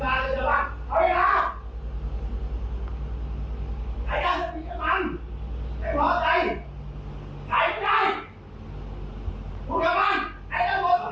เอาไว้